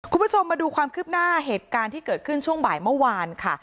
คุณผู้ชมมาดูความคืบหน้าเหตุการณ์ที่เกิดขึ้นช่วงบ่ายเมื่อวานค่ะ